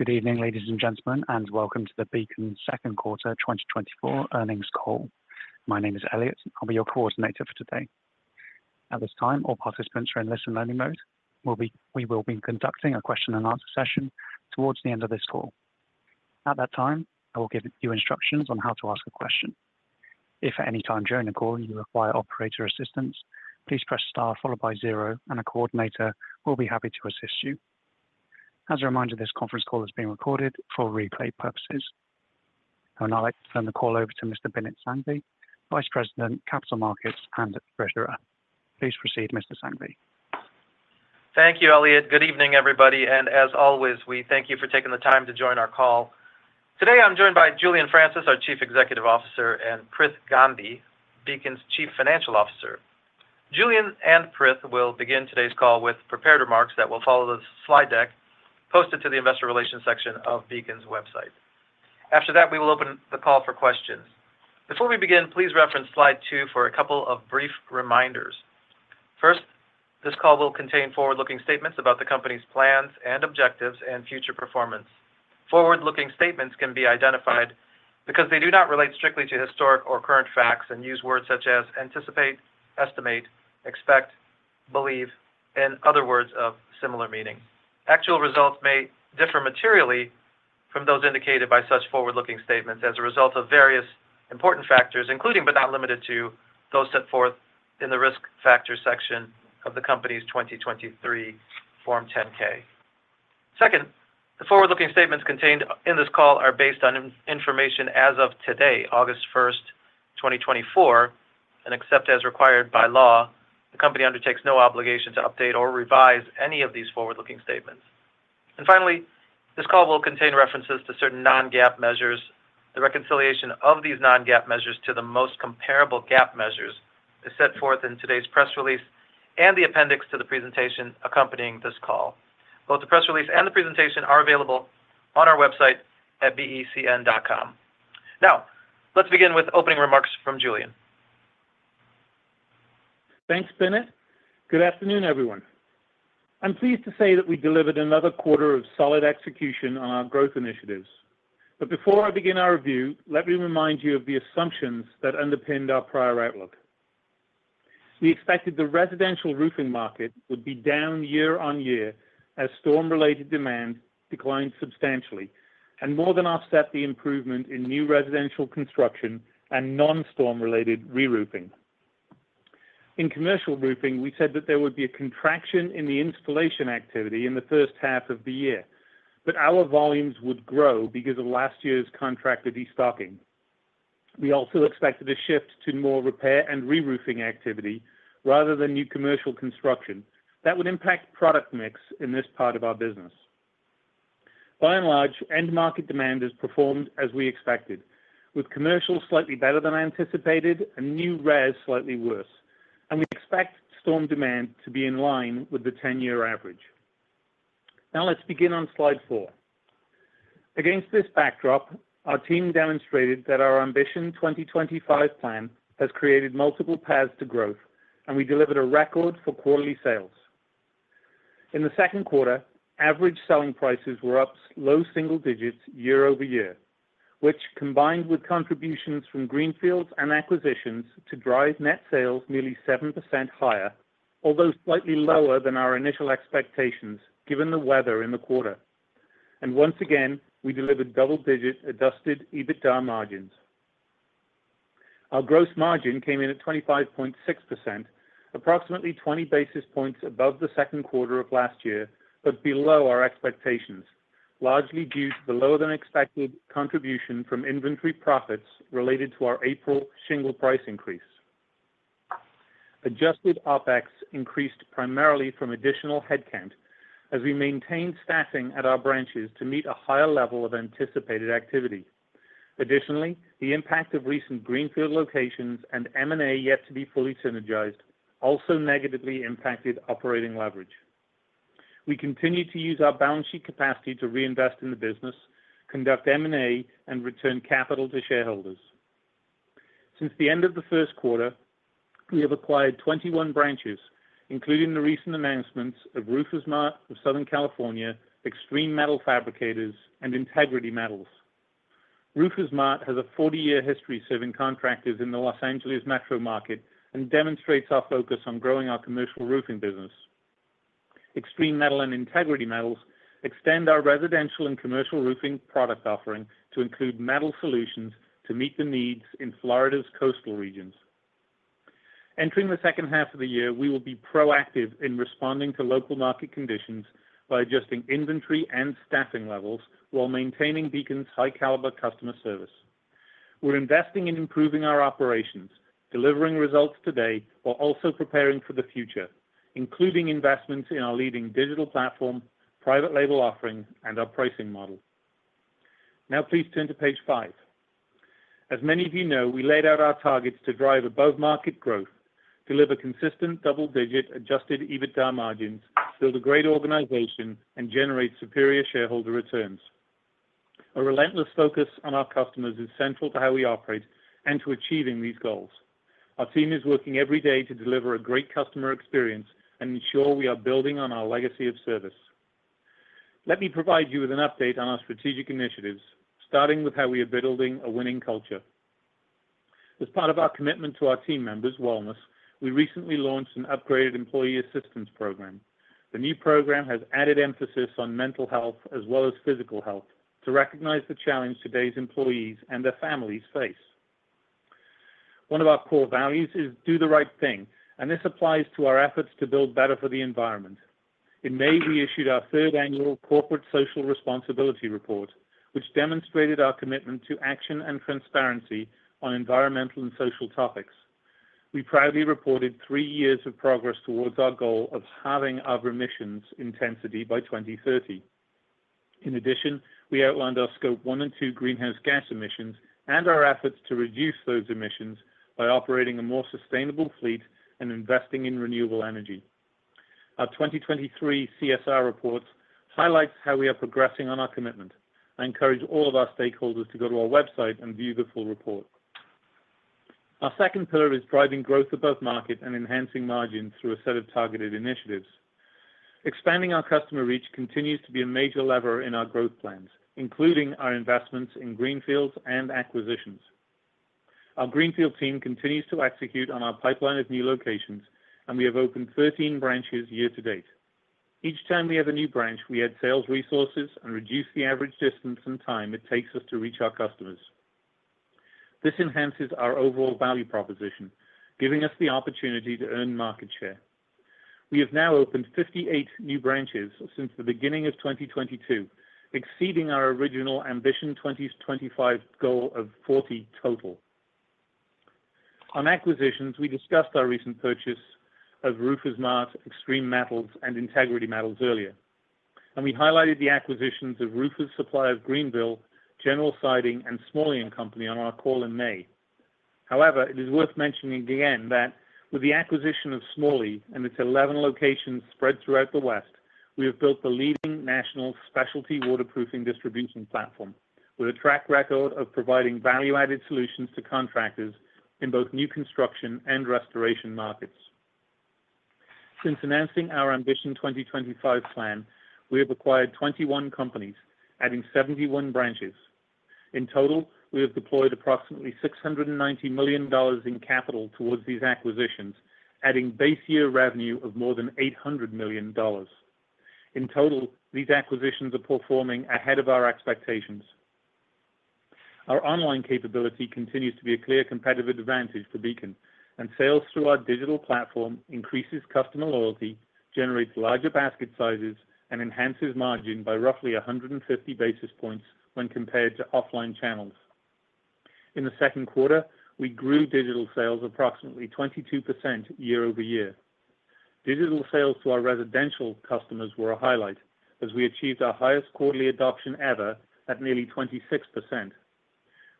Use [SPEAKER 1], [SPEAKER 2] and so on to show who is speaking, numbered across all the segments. [SPEAKER 1] Good evening, ladies and gentlemen, and welcome to the Beacon Q2 2024 Earnings Call. My name is Elliot, and I'll be your coordinator for today. At this time, all participants are in listen-only mode. We will be conducting a Q&A session towards the end of this call. At that time, I will give you instructions on how to ask a question. If at any time during the call you require operator assistance, please press Star followed by zero, and a coordinator will be happy to assist you. As a reminder, this conference call is being recorded for replay purposes. I would now like to turn the call over to Mr. Binit Sanghvi, Vice President, Capital Markets and Treasurer. Please proceed, Mr. Sanghvi.
[SPEAKER 2] Thank you, Elliot. Good evening, everybody, and as always, we thank you for taking the time to join our call. Today, I'm joined by Julian Francis, our Chief Executive Officer, and Prithvi Gandhi, Beacon's Chief Financial Officer. Julian and Prith will begin today's call with prepared remarks that will follow the slide deck posted to the investor relations section of Beacon's website. After that, we will open the call for questions. Before we begin, please reference slide two for a couple of brief reminders. First, this call will contain forward-looking statements about the company's plans and objectives and future performance. Forward-looking statements can be identified because they do not relate strictly to historic or current facts and use words such as anticipate, estimate, expect, believe, and other words of similar meaning. Actual results may differ materially from those indicated by such forward-looking statements as a result of various important factors, including, but not limited to, those set forth in the Risk Factors section of the Company's 2023 Form 10-K. Second, the forward-looking statements contained in this call are based on information as of today, August 1, 2024, and except as required by law, the company undertakes no obligation to update or revise any of these forward-looking statements. Finally, this call will contain references to certain non-GAAP measures. The reconciliation of these non-GAAP measures to the most comparable GAAP measures is set forth in today's press release and the appendix to the presentation accompanying this call. Both the press release and the presentation are available on our website at becn.com. Now, let's begin with opening remarks from Julian.
[SPEAKER 3] Thanks, Binit. Good afternoon, everyone. I'm pleased to say that we delivered another quarter of solid execution on our growth initiatives. But before I begin our review, let me remind you of the assumptions that underpinned our prior outlook. We expected the residential roofing market would be down year-over-year as storm-related demand declined substantially and more than offset the improvement in new residential construction and non-storm-related reroofing. In commercial roofing, we said that there would be a contraction in the installation activity in the H1 of the year, but our volumes would grow because of last year's contractor destocking. We also expected a shift to more repair and reroofing activity rather than new commercial construction that would impact product mix in this part of our business. By and large, end market demand has performed as we expected, with commercial slightly better than anticipated and new res slightly worse, and we expect storm demand to be in line with the 10-year average. Now, let's begin on slide 4. Against this backdrop, our team demonstrated that our Ambition 2025 plan has created multiple paths to growth, and we delivered a record for quarterly sales. In the Q2, average selling prices were up low single digits year-over-year, which combined with contributions from greenfields and acquisitions, to drive net sales nearly 7% higher, although slightly lower than our initial expectations, given the weather in the quarter. And once again, we delivered double-digit Adjusted EBITDA margins. Our Gross Margin came in at 25.6%, approximately 20 basis points above the Q2 of last year, but below our expectations, largely due to the lower-than-expected contribution from inventory profits related to our April shingle price increase. Adjusted OpEx increased primarily from additional headcount as we maintained staffing at our branches to meet a higher level of anticipated activity. Additionally, the impact of recent greenfield locations and M&A yet to be fully synergized also negatively impacted operating leverage. We continue to use our balance sheet capacity to reinvest in the business, conduct M&A, and return capital to shareholders. Since the end of the Q1, we have acquired 21 branches, including the recent announcements of Roofers Mart of Southern California, Extreme Metal Fabricators, and Integrity Metals. Roofers Mart has a 40-year history serving contractors in the Los Angeles metro market and demonstrates our focus on growing our commercial roofing business. Extreme Metal and Integrity Metals extend our residential and commercial roofing product offering to include metal solutions to meet the needs in Florida's coastal regions. Entering the H2 of the year, we will be proactive in responding to local market conditions by adjusting inventory and staffing levels while maintaining Beacon's high caliber customer service. We're investing in improving our operations, delivering results today, while also preparing for the future, including investments in our leading digital platform, private label offerings, and our pricing model. Now please turn to page 5. As many of you know, we laid out our targets to drive above-market growth, deliver consistent double-digit Adjusted EBITDA margins, build a great organization, and generate superior shareholder returns. Our relentless focus on our customers is central to how we operate and to achieving these goals. Our team is working every day to deliver a great customer experience and ensure we are building on our legacy of service. Let me provide you with an update on our strategic initiatives, starting with how we are building a winning culture. As part of our commitment to our team members' wellness, we recently launched an upgraded employee assistance program. The new program has added emphasis on mental health as well as physical health, to recognize the challenge today's employees and their families face. One of our core values is do the right thing, and this applies to our efforts to build better for the environment. In May, we issued our third annual corporate social responsibility report, which demonstrated our commitment to action and transparency on environmental and social topics. We proudly reported three years of progress towards our goal of halving our emissions intensity by 2030. In addition, we outlined our scope one and two greenhouse gas emissions and our efforts to reduce those emissions by operating a more sustainable fleet and investing in renewable energy. Our 2023 CSR report highlights how we are progressing on our commitment. I encourage all of our stakeholders to go to our website and view the full report. Our second pillar is driving growth above market and enhancing margins through a set of targeted initiatives. Expanding our customer reach continues to be a major lever in our growth plans, including our investments in Greenfields and acquisitions. Our Greenfield team continues to execute on our pipeline of new locations, and we have opened 13 branches year to date. Each time we have a new branch, we add sales resources and reduce the average distance and time it takes us to reach our customers. This enhances our overall value proposition, giving us the opportunity to earn market share. We have now opened 58 new branches since the beginning of 2022, exceeding our original Ambition 2025 goal of 40 total. On acquisitions, we discussed our recent purchase of Roofers Mart, Extreme Metals, and Integrity Metals earlier, and we highlighted the acquisitions of Roofers Supply of Greenville, General Siding, and Smalley & Company on our call in May. However, it is worth mentioning again that with the acquisition of Smalley and its 11 locations spread throughout the West, we have built the leading national specialty waterproofing distribution platform, with a track record of providing value-added solutions to contractors in both new construction and restoration markets. Since announcing our Ambition 2025 plan, we have acquired 21 companies, adding 71 branches. In total, we have deployed approximately $690 million in capital towards these acquisitions, adding base year revenue of more than $800 million. In total, these acquisitions are performing ahead of our expectations. Our online capability continues to be a clear competitive advantage for Beacon, and sales through our digital platform increases customer loyalty, generates larger basket sizes, and enhances margin by roughly 150 basis points when compared to offline channels. In the Q2, we grew digital sales approximately 22% year-over-year. Digital sales to our residential customers were a highlight, as we achieved our highest quarterly adoption ever at nearly 26%.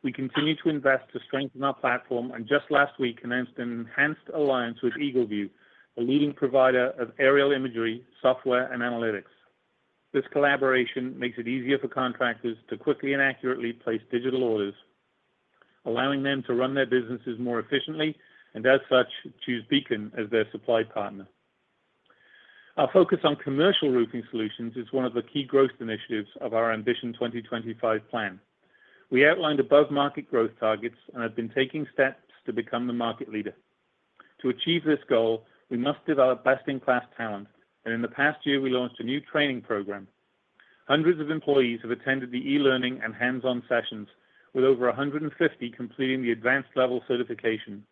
[SPEAKER 3] We continue to invest to strengthen our platform, and just last week announced an enhanced alliance with EagleView, a leading provider of aerial imagery, software, and analytics. This collaboration makes it easier for contractors to quickly and accurately place digital orders, allowing them to run their businesses more efficiently, and as such, choose Beacon as their supply partner. Our focus on commercial roofing solutions is one of the key growth initiatives of our Ambition 2025 plan. We outlined above-market growth targets and have been taking steps to become the market leader. To achieve this goal, we must develop best-in-class talent, and in the past year, we launched a new training program. Hundreds of employees have attended the e-learning and hands-on sessions, with over 150 completing the advanced level certification.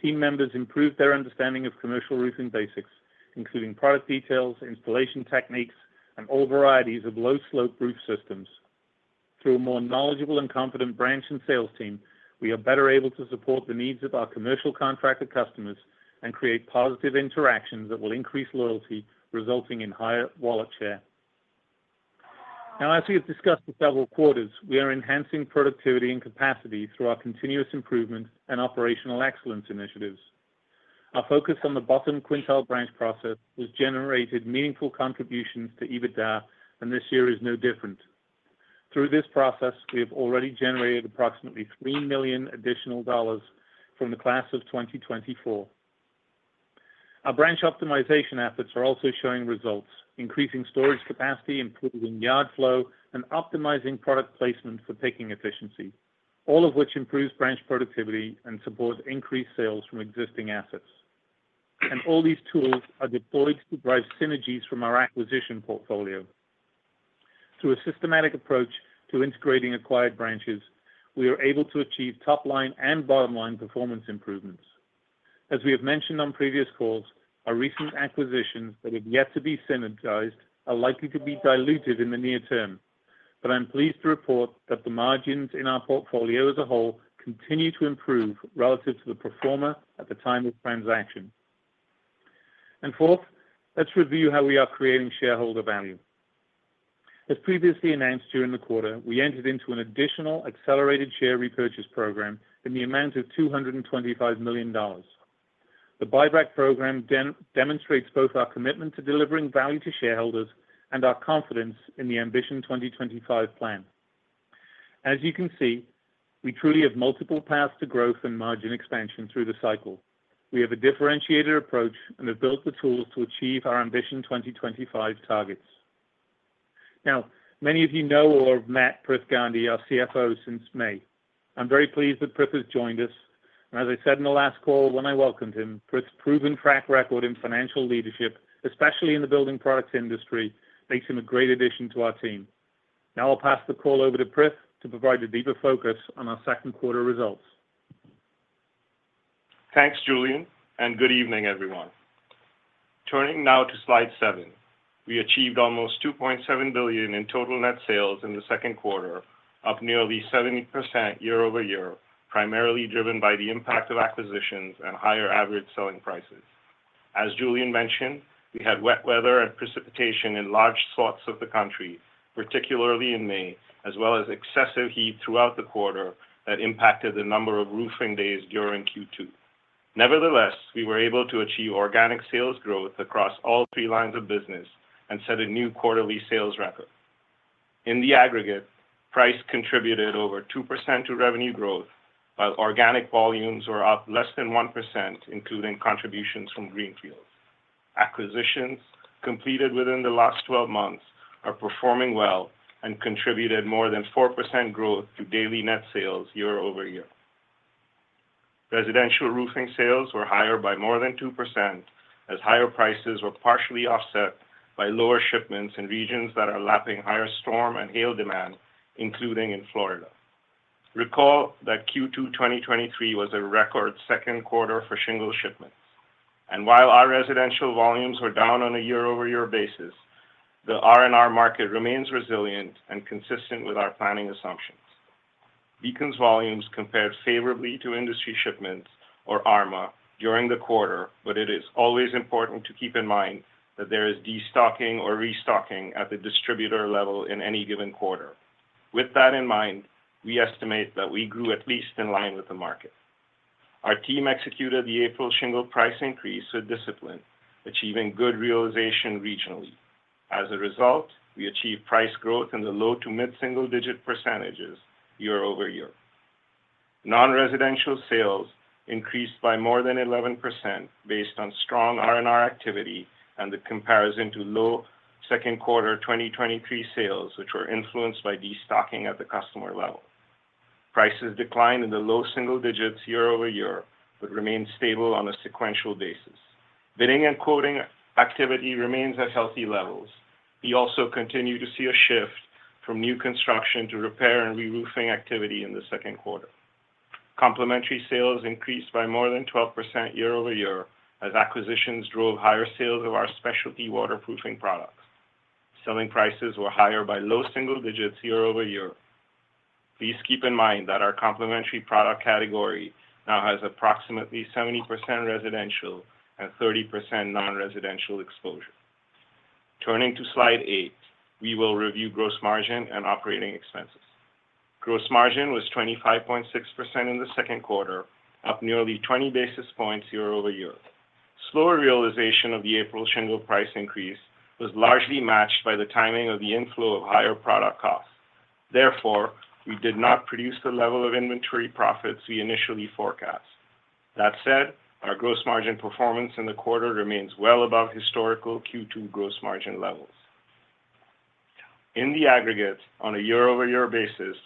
[SPEAKER 3] Team members improved their understanding of commercial roofing basics, including product details, installation techniques, and all varieties of low-slope roof systems. Through a more knowledgeable and confident branch and sales team, we are better able to support the needs of our commercial contractor customers and create positive interactions that will increase loyalty, resulting in higher wallet share. Now, as we have discussed for several quarters, we are enhancing productivity and capacity through our continuous improvement and operational excellence initiatives. Our focus on the bottom quintile branch process has generated meaningful contributions to EBITDA, and this year is no different. Through this process, we have already generated approximately $3 million additional dollars from the class of 2024. Our branch optimization efforts are also showing results, increasing storage capacity, improving yard flow, and optimizing product placement for picking efficiency, all of which improves branch productivity and supports increased sales from existing assets. All these tools are deployed to drive synergies from our acquisition portfolio. Through a systematic approach to integrating acquired branches, we are able to achieve top-line and bottom-line performance improvements. As we have mentioned on previous calls, our recent acquisitions that have yet to be synergized are likely to be diluted in the near term. I'm pleased to report that the margins in our portfolio as a whole continue to improve relative to the performer at the time of transaction. Fourth, let's review how we are creating shareholder value. As previously announced, during the quarter, we entered into an additional accelerated share repurchase program in the amount of $225 million. The buyback program demonstrates both our commitment to delivering value to shareholders and our confidence in the Ambition 2025 plan. As you can see, we truly have multiple paths to growth and margin expansion through the cycle. We have a differentiated approach and have built the tools to achieve our Ambition 2025 targets. Now, many of you know or have met Prithvi Gandhi, our CFO, since May. I'm very pleased that Prithvi has joined us, and as I said in the last call when I welcomed him, Prithvi's proven track record in financial leadership, especially in the building products industry, makes him a great addition to our team. Now I'll pass the call over to Prith to provide a deeper focus on our Q2 results.
[SPEAKER 4] Thanks, Julian, and good evening, everyone. Turning now to slide 7. We achieved almost $2.7 billion in total net sales in the Q2, up nearly 70% year-over-year, primarily driven by the impact of acquisitions and higher average selling prices. As Julian mentioned, we had wet weather and precipitation in large swaths of the country, particularly in May, as well as excessive heat throughout the quarter that impacted the number of roofing days during Q2. Nevertheless, we were able to achieve organic sales growth across all three lines of business and set a new quarterly sales record. In the aggregate, price contributed over 2% to revenue growth, while organic volumes were up less than 1%, including contributions from Greenfields. Acquisitions completed within the last 12 months are performing well and contributed more than 4% growth to daily net sales year-over-year. Residential roofing sales were higher by more than 2%, as higher prices were partially offset by lower shipments in regions that are lapping higher storm and hail demand, including in Florida. Recall that Q2 2023 was a record Q2 for shingle shipments, and while our residential volumes were down on a year-over-year basis, the R&R market remains resilient and consistent with our planning assumptions. Beacon's volumes compared favorably to industry shipments or ARMA during the quarter, but it is always important to keep in mind that there is destocking or restocking at the distributor level in any given quarter. With that in mind, we estimate that we grew at least in line with the market. Our team executed the April shingle price increase with discipline, achieving good realization regionally. As a result, we achieved price growth in the low- to mid-single-digit % year-over-year. Non-residential sales increased by more than 11% based on strong R&R activity and the comparison to low Q2 2023 sales, which were influenced by destocking at the customer level. Prices declined in the low single digits year-over-year, but remained stable on a sequential basis. Bidding and quoting activity remains at healthy levels. We also continue to see a shift from new construction to repair and reroofing activity in the Q2. Complementary sales increased by more than 12% year-over-year, as acquisitions drove higher sales of our specialty waterproofing products. Selling prices were higher by low single digits year-over-year. Please keep in mind that our complementary product category now has approximately 70% residential and 30% non-residential exposure. Turning to Slide 8, we will review gross margin and operating expenses. Gross margin was 25.6% in the Q2, up nearly 20 basis points year-over-year. Slower realization of the April shingle price increase was largely matched by the timing of the inflow of higher product costs. Therefore, we did not produce the level of inventory profits we initially forecast. That said, our gross margin performance in the quarter remains well above historical Q2 gross margin levels. In the aggregate, on a year-over-year basis,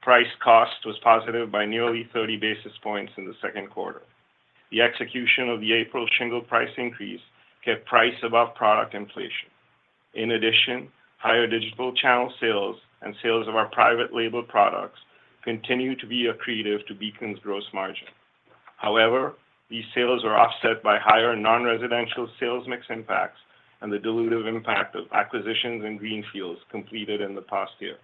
[SPEAKER 4] price cost was positive by nearly 30 basis points in the Q2. The execution of the April shingle price increase kept price above product inflation. In addition, higher digital channel sales and sales of our private label products continue to be accretive to Beacon's gross margin. However, these sales are offset by higher non-residential sales mix impacts and the dilutive impact of acquisitions and greenfields completed in the past year.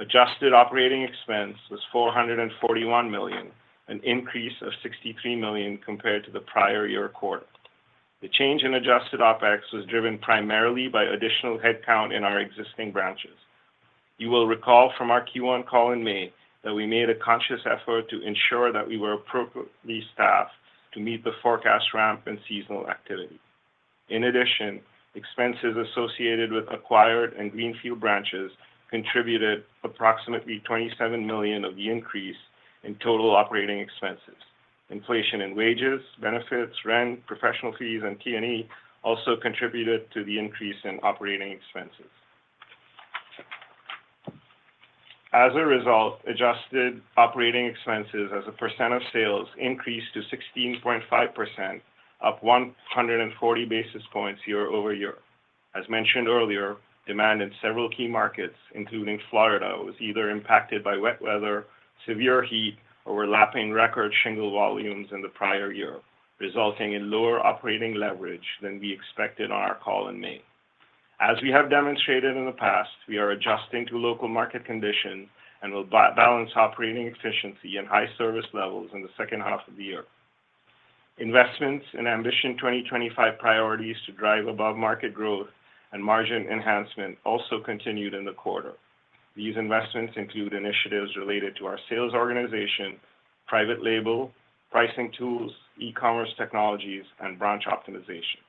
[SPEAKER 4] Adjusted operating expense was $441 million, an increase of $63 million compared to the prior year quarter. The change in adjusted OpEx was driven primarily by additional headcount in our existing branches. You will recall from our Q1 call in May that we made a conscious effort to ensure that we were appropriately staffed to meet the forecast ramp and seasonal activity. In addition, expenses associated with acquired and greenfield branches contributed approximately $27 million of the increase in total operating expenses. Inflation in wages, benefits, rent, professional fees, and T&E also contributed to the increase in operating expenses. As a result, adjusted operating expenses as a % of sales increased to 16.5%, up 140 basis points year-over-year. As mentioned earlier, demand in several key markets, including Florida, was either impacted by wet weather, severe heat, or were lapping record shingle volumes in the prior year, resulting in lower operating leverage than we expected on our call in May. As we have demonstrated in the past, we are adjusting to local market conditions and will balance operating efficiency and high service levels in the H2 of the year. Investments in Ambition 2025 priorities to drive above-market growth and margin enhancement also continued in the quarter. These investments include initiatives related to our sales organization, private label, pricing tools, e-commerce technologies, and branch optimization.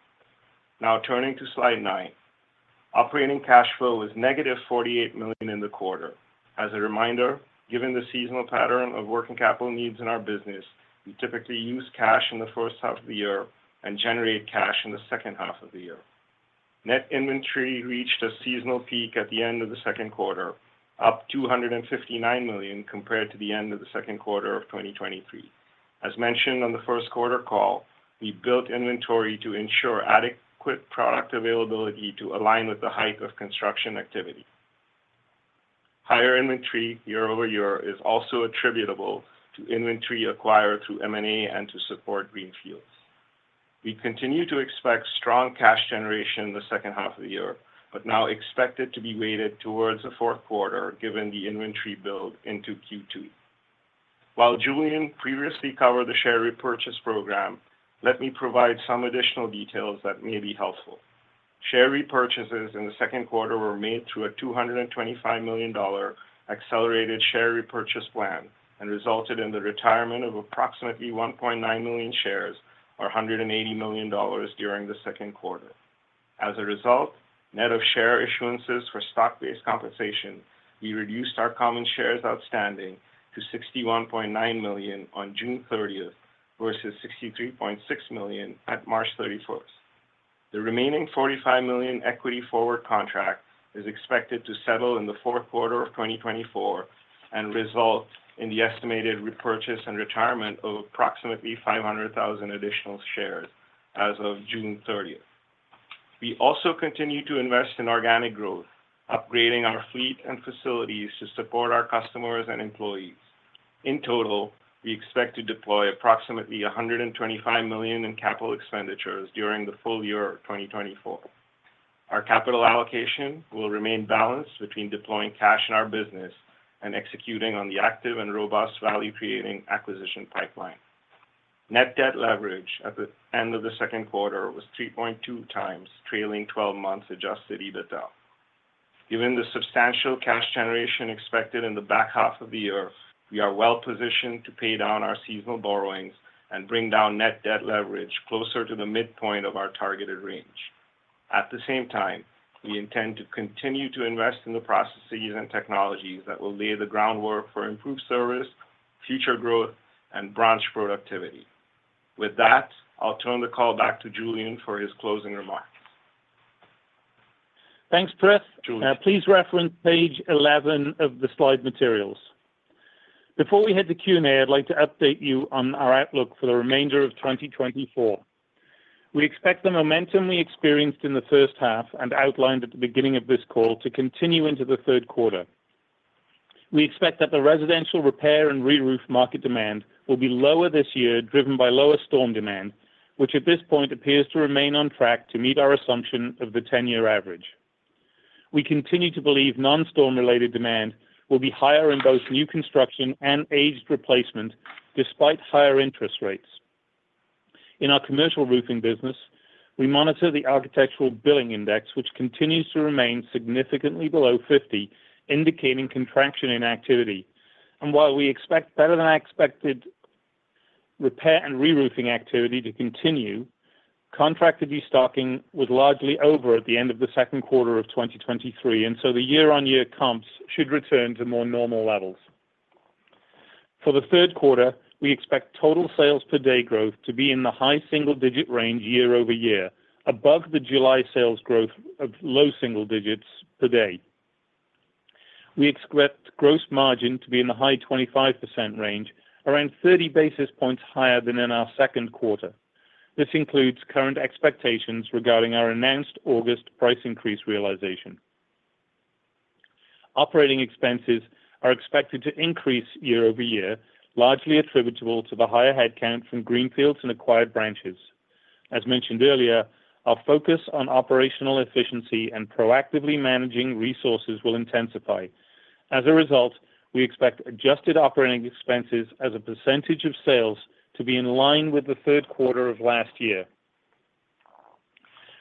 [SPEAKER 4] Now turning to slide nine. Operating cash flow was negative $48 million in the quarter. As a reminder, given the seasonal pattern of working capital needs in our business, we typically use cash in the H1 of the year and generate cash in the H2 of the year. Net inventory reached a seasonal peak at the end of the Q2, up $259 million compared to the end of the Q2 of 2023. As mentioned on the Q1 call, we built inventory to ensure adequate product availability to align with the height of construction activity. Higher inventory year-over-year is also attributable to inventory acquired through M&A and to support greenfields. We continue to expect strong cash generation in the H2 of the year, but now expect it to be weighted towards the Q4, given the inventory build into Q2. While Julian previously covered the share repurchase program, let me provide some additional details that may be helpful. Share repurchases in the Q2 were made through a $225 million accelerated share repurchase plan and resulted in the retirement of approximately 1.9 million shares or $180 million during the Q2. As a result, net of share issuances for stock-based compensation, we reduced our common shares outstanding to 61.9 million on June thirtieth versus 63.6 million at March thirty-first. The remaining $45 million equity forward contract is expected to settle in the Q4 of 2024 and result in the estimated repurchase and retirement of approximately 500,000 additional shares as of June thirtieth. We also continue to invest in organic growth, upgrading our fleet and facilities to support our customers and employees. In total, we expect to deploy approximately $125 million in capital expenditures during the full year of 2024. Our capital allocation will remain balanced between deploying cash in our business and executing on the active and robust value-creating acquisition pipeline. Net debt leverage at the end of the Q2 was 3.2 times, trailing twelve months adjusted EBITDA. Given the substantial cash generation expected in the back half of the year, we are well positioned to pay down our seasonal borrowings and bring down net debt leverage closer to the midpoint of our targeted range. At the same time, we intend to continue to invest in the processes and technologies that will lay the groundwork for improved service, future growth, and branch productivity. With that, I'll turn the call back to Julian for his closing remarks.
[SPEAKER 3] Thanks, Prith. Please reference page 11 of the slide materials. Before we head to Q&A, I'd like to update you on our outlook for the remainder of 2024. We expect the momentum we experienced in the H1 and outlined at the beginning of this call to continue into the Q3. We expect that the residential repair and reroof market demand will be lower this year, driven by lower storm demand, which at this point appears to remain on track to meet our assumption of the 10-year average. We continue to believe non-storm-related demand will be higher in both new construction and aged replacement, despite higher interest rates. In our commercial roofing business, we monitor the Architectural Billing Index, which continues to remain significantly below 50, indicating contraction in activity. While we expect better-than-expected repair and reroofing activity to continue, contract de-stocking was largely over at the end of the Q2 of 2023, and so the year-on-year comps should return to more normal levels. For the Q3, we expect total sales per day growth to be in the high single-digit range year-over-year, above the July sales growth of low single digits per day. We expect gross margin to be in the high 25% range, around 30 basis points higher than in our Q2. This includes current expectations regarding our announced August price increase realization. Operating expenses are expected to increase year-over-year, largely attributable to the higher headcount from Greenfields and acquired branches. As mentioned earlier, our focus on operational efficiency and proactively managing resources will intensify. As a result, we expect adjusted operating expenses as a percentage of sales to be in line with the Q3 of last year.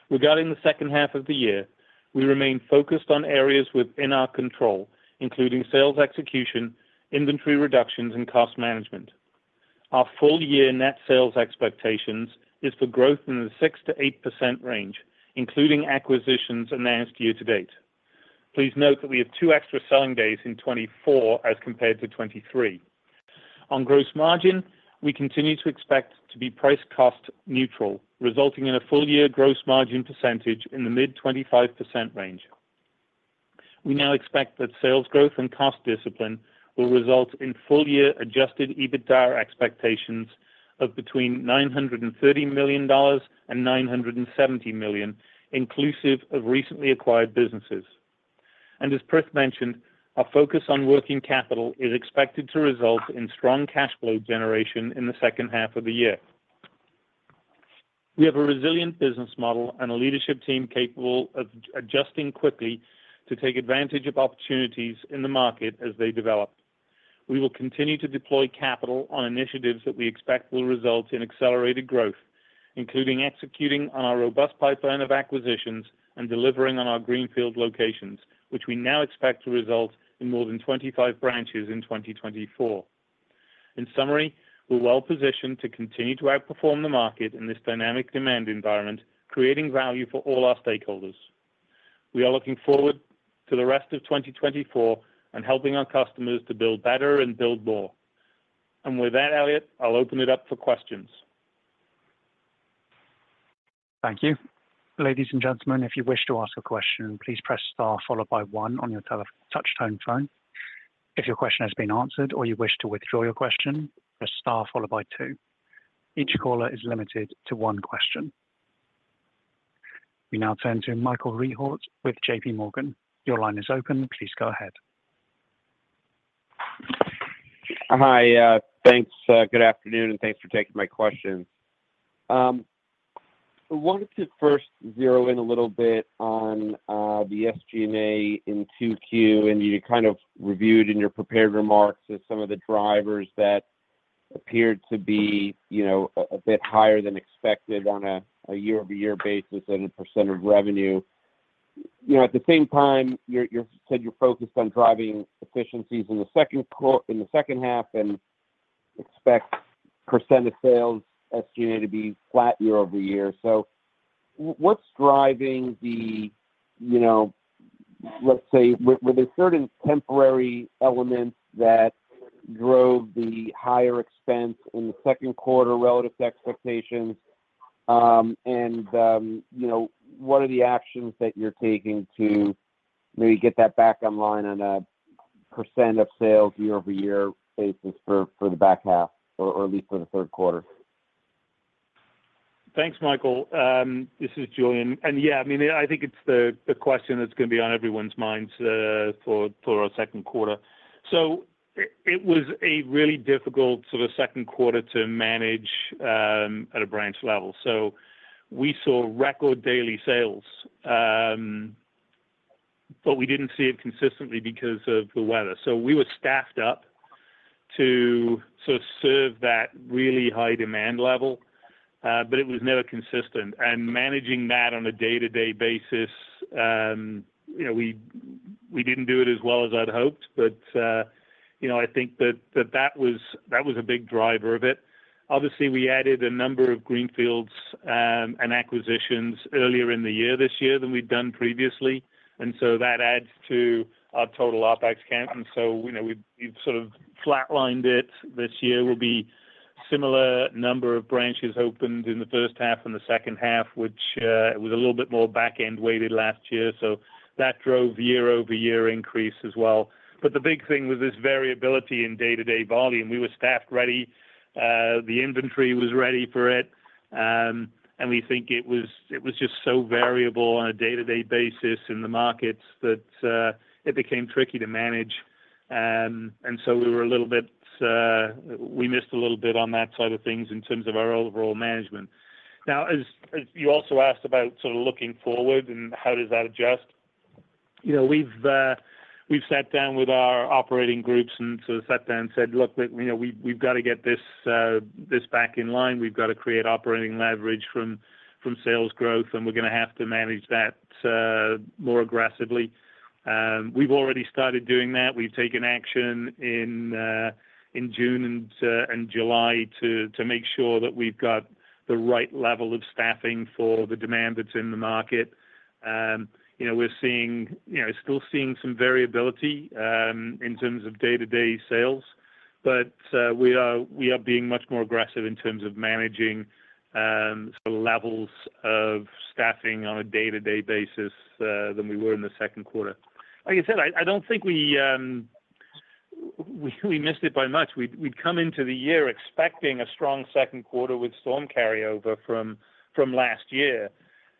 [SPEAKER 3] Regarding the H2 of the year, we remain focused on areas within our control, including sales execution, inventory reductions, and cost management. Our full-year net sales expectations is for growth in the 6%-8% range, including acquisitions announced year to date. Please note that we have two extra selling days in 2024 as compared to 2023. On gross margin, we continue to expect to be price cost neutral, resulting in a full-year gross margin percentage in the mid-25% range. We now expect that sales growth and cost discipline will result in full-year adjusted EBITDA expectations of between $930 million and $970 million, inclusive of recently acquired businesses. As Prithvi mentioned, our focus on working capital is expected to result in strong cash flow generation in the H2 of the year. We have a resilient business model and a leadership team capable of adjusting quickly to take advantage of opportunities in the market as they develop. We will continue to deploy capital on initiatives that we expect will result in accelerated growth, including executing on our robust pipeline of acquisitions and delivering on our greenfield locations, which we now expect to result in more than 25 branches in 2024. In summary, we're well positioned to continue to outperform the market in this dynamic demand environment, creating value for all our stakeholders. We are looking forward to the rest of 2024 and helping our customers to build better and build more. And with that, Elliot, I'll open it up for questions.
[SPEAKER 1] Thank you. Ladies and gentlemen, if you wish to ask a question, please press star followed by one on your touchtone phone. If your question has been answered or you wish to withdraw your question, press star followed by two. Each caller is limited to one question. We now turn to Michael Rehaut with JP Morgan. Your line is open. Please go ahead.
[SPEAKER 5] Hi. Thanks, good afternoon, and thanks for taking my question. I wanted to first zero in a little bit on the SG&A in 2Q, and you reviewed in your prepared remarks some of the drivers that appeared to be, you know, a bit higher than expected on a year-over-year basis and a percent of revenue. You know, at the same time, you said you're focused on driving efficiencies in the H2 and expect percent of sales SG&A to be flat year over year. So what's driving the, you know, let's say, were there certain temporary elements that drove the higher expense in the Q2 relative to expectations? you know, what are the actions that you're taking to maybe get that back online on a percent-of-sales year-over-year basis for the back half or at least for the Q3?
[SPEAKER 3] Thanks, Michael. This is Julian. And it's the question that's going to be on everyone's minds for our Q2. So it was a really difficult Q2 to manage at a branch level. So we saw record daily sales, but we didn't see it consistently because of the weather. So we were staffed up to serve that really high demand level, but it was never consistent. And managing that on a day-to-day basis, you know, we didn't do it as well as I'd hoped, but you know, I think that was a big driver of it. Obviously, we added a number of greenfields and acquisitions earlier in the year, this year than we've done previously, and so that adds to our total OpEx count. And so we've flatlined it. This year will be similar number of branches opened in the H1 and the H2, which was a little bit more back-end weighted last year, so that drove the year-over-year increase as well. But the big thing was this variability in day-to-day volume. We were staffed ready, the inventory was ready for it, and we think it was, it was just so variable on a day-to-day basis in the markets that it became tricky to manage. And so we were a little bit, we missed a little bit on that side of things in terms of our overall management. Now, as you also asked about looking forward and how does that adjust? You know, we've, we've sat down with our operating groups and sat down and said, "Look, you know, we've, we've got to get this, this back in line. We've got to create operating leverage from, from sales growth, and we're going to have to manage that, more aggressively." We've already started doing that. We've taken action in, in June and, and July to, to make sure that we've got the right level of staffing for the demand that's in the market. You know, we're seeing, you know, still seeing some variability, in terms of day-to-day sales, but, we are, we are being much more aggressive in terms of managing, levels of staffing on a day-to-day basis, than we were in the Q2. Like I said, I don't think we missed it by much. We'd come into the year expecting a strong Q2 with storm carryover from last year.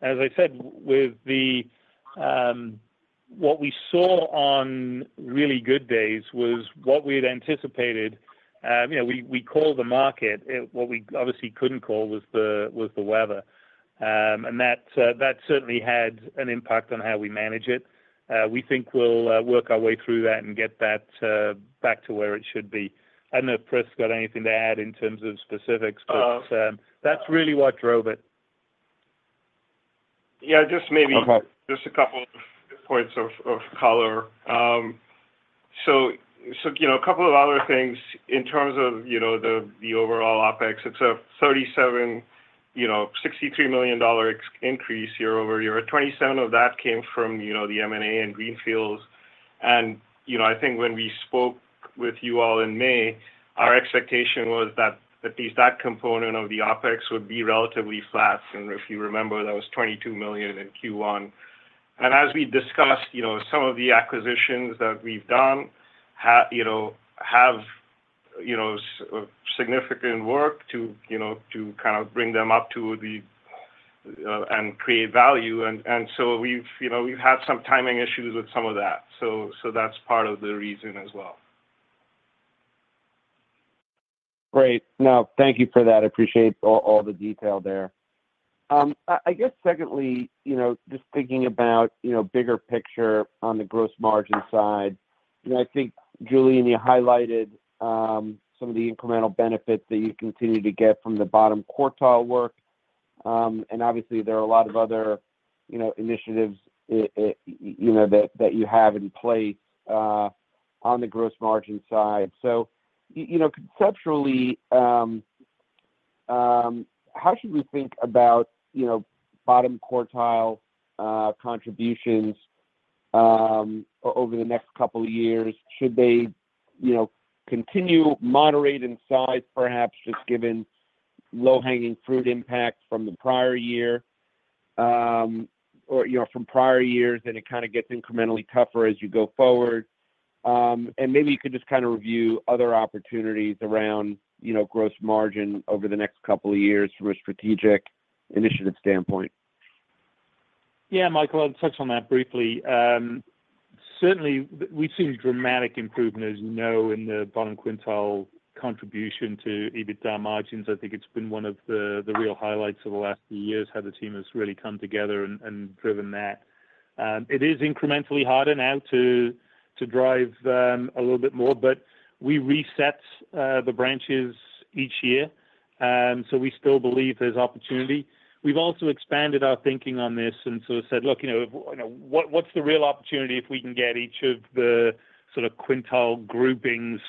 [SPEAKER 3] As I said, what we saw on really good days was what we had anticipated. You know, we called the market. What we obviously couldn't call was the weather, and that certainly had an impact on how we manage it. We think we'll work our way through that and get that back to where it should be. I don't know if Chris got anything to add in terms of specifics, but that's really what drove it.
[SPEAKER 5] Okay.
[SPEAKER 3] Just a couple of points of color. So, you know, a couple of other things in terms of, you know, the overall OpEx. It's a $37-$63 million increase year-over-year. 27 of that came from, you know, the M&A and greenfields. You know, I think when we spoke with you all in May, our expectation was that at least that component of the OpEx would be relatively flat. If you remember, that was $22 million in Q1. As we discussed, you know, some of the acquisitions that we've done have, you know, significant work to bring them up to the and create value. So we've, you know, we've had some timing issues with some of that. That's part of the reason as well.
[SPEAKER 5] Great. No, thank you for that. I appreciate all the detail there. I guess secondly, you know, just thinking about, you know, bigger picture on the gross margin side, you know, I think, Julian, you highlighted some of the incremental benefits that you continue to get from the bottom quintile work. And obviously, there are a lot of other, you know, initiatives, you know, that you have in place on the gross margin side. So, you know, conceptually, how should we think about, you know, bottom quintile contributions over the next couple of years? Should they continue moderate in size, perhaps just given low-hanging fruit impact from the prior year or from prior years, then it gets incrementally tougher as you go forward? Maybe you could just review other opportunities around, you know, gross margin over the next couple of years from a strategic initiative standpoint.
[SPEAKER 4] Michael, I'll touch on that briefly. Certainly, we've seen dramatic improvement, as you know, in the bottom quintile contribution to EBITDA margins. I think it's been one of the, the real highlights of the last few years, how the team has really come together and, and driven that. It is incrementally harder now to, to drive, a little bit more, but we reset, the branches each year. So we still believe there's opportunity. We've also expanded our thinking on this and said: Look, what, what's the real opportunity if we can get each of the quintile groupings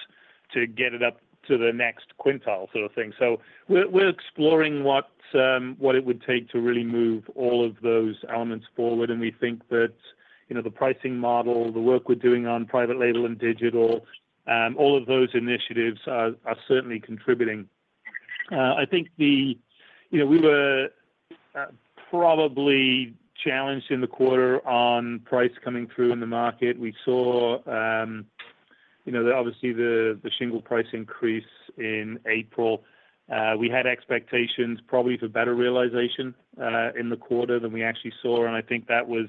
[SPEAKER 4] to get it up to the next quintile thing? So we're exploring what it would take to really move all of those elements forward, and we think that the pricing model, the work we're doing on private label and digital, all of those initiatives are certainly contributing. I think. You know, we were probably challenged in the quarter on price coming through in the market. We saw, obviously, the shingle price increase in April. We had expectations probably for better realization in the quarter than we actually saw, and I think that was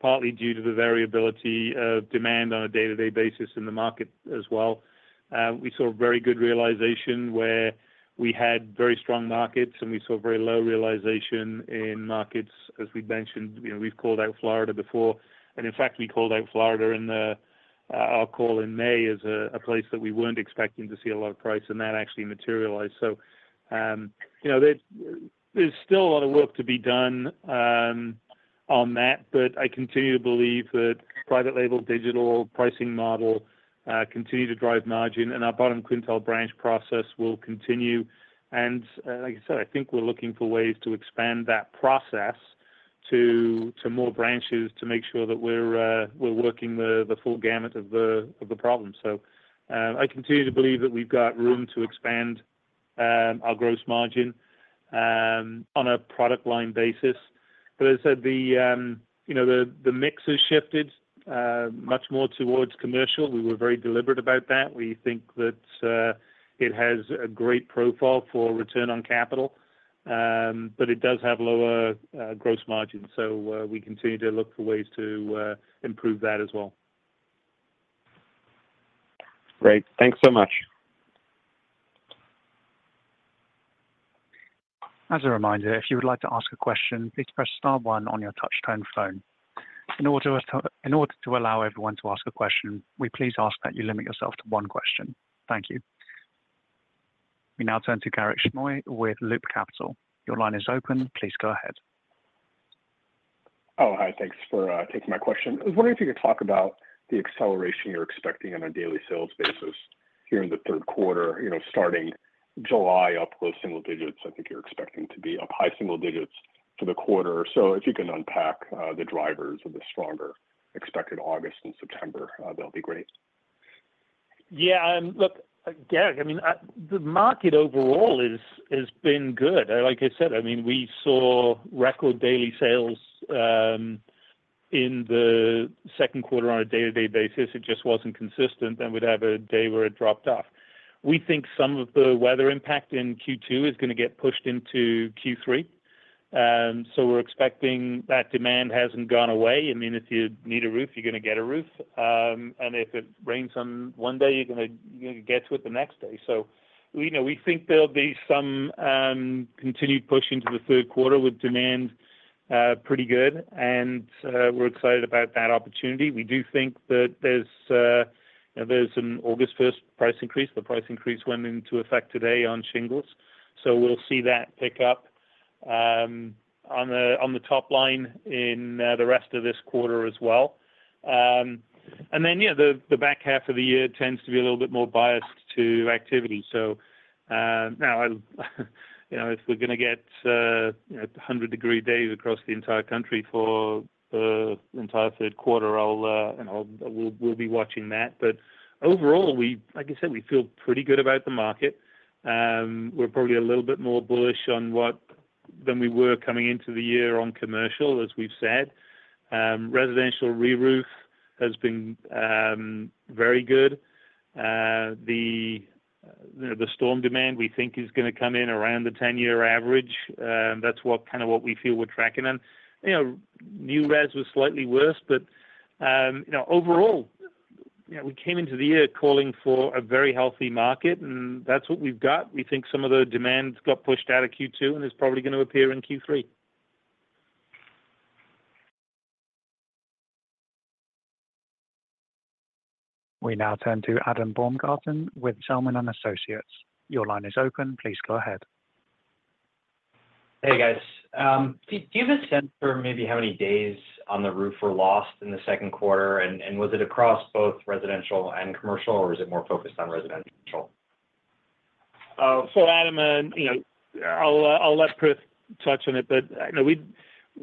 [SPEAKER 4] partly due to the variability of demand on a day-to-day basis in the market as well. We saw very good realization where we had very strong markets, and we saw very low realization in markets, as we mentioned. You know, we've called out Florida before, and in fact, we called out Florida in our call in May, as a place that we weren't expecting to see a lot of price, and that actually materialized. So there's still a lot of work to be done on that, but I continue to believe that private label, digital, pricing model continue to drive margin, and our bottom quintile branch process will continue. And, like I said, I think we're looking for ways to expand that process to more branches to make sure that we're working the full gamut of the problem. So, I continue to believe that we've got room to expand our gross margin on a product line basis. But as I said, the mix has shifted much more towards commercial. We were very deliberate about that. We think that it has a great profile for return on capital, but it does have lower gross margin. So we continue to look for ways to improve that as well.
[SPEAKER 5] Great. Thanks so much.
[SPEAKER 1] As a reminder, if you would like to ask a question, please press star one on your touchtone phone. In order to allow everyone to ask a question, we please ask that you limit yourself to one question. Thank you. We now turn to Garik Shmois with Loop Capital. Your line is open. Please go ahead.
[SPEAKER 6] Oh, hi. Thanks for taking my question. I was wondering if you could talk about the acceleration you're expecting on a daily sales basis here in the Q3. You know, starting July, up low single digits, I think you're expecting to be up high single digits for the quarter. So if you can unpack the drivers of the stronger expected August and September, that'll be great. Look, Garrett, the market overall is, is been good. Like I said, I mean, we saw record daily sales in the Q2 on a day-to-day basis. It just wasn't consistent, then we'd have a day where it dropped off. We think some of the weather impact in Q2 is gonna get pushed into Q3. So we're expecting that demand hasn't gone away. I mean, if you need a roof, you're gonna get a roof. And if it rains on one day, you're gonna, you're gonna get to it the next day. So, you know, we think there'll be some continued push into the Q3 with demand pretty good, and we're excited about that opportunity. We do think that there's, you know, there's an August first price increase. The price increase went into effect today on shingles, so we'll see that pick up on the top line in the rest of this quarter as well. And then, the back half of the year tends to be a little bit more biased to activity. So, now, you know, if we're gonna get, you know, 100-degree days across the entire country for the entire Q3, we'll be watching that. But overall, like I said, we feel pretty good about the market. We're probably a little bit more bullish on what than we were coming into the year on commercial, as we've said. Residential reroof has been very good. You know, the storm demand, we think, is gonna come in around the 10-year average. That's what we feel we're tracking on. You know, new res was slightly worse, but we came into the year calling for a very healthy market, and that's what we've got. We think some of the demands got pushed out of Q2, and it's probably gonna appear in Q3.
[SPEAKER 1] We now turn to Adam Baumgarten with Zelman & Associates. Your line is open. Please go ahead.
[SPEAKER 7] Hey, guys. Do you have a sense for maybe how many days on the roof were lost in the Q2? Was it across both residential and commercial, or was it more focused on residential?
[SPEAKER 3] So Adam, you know, I'll let Prith touch on it, but you know,